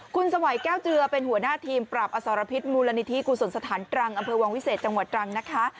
คุณสวัยแก้วเจือเป็นหัวหน้าทีมปราบอสรพิษมูลนิธิกุศลสถานตรังอำเภอวังวิเศษจังหวัดตรังนะคะ